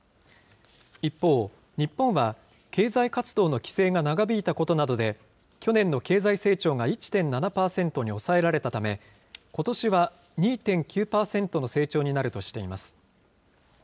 一方、日本は経済活動の規制が長引いたことなどで、去年の経済成長が１．７％に抑えられたため、ことしは２．９％の成長になるとしています。